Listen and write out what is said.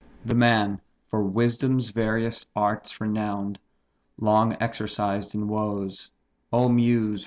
The man for wisdom's various arts renown'd, Long exercised in woes, O Muse!